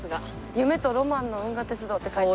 「夢とロマンの銀河鉄道」って書いてある。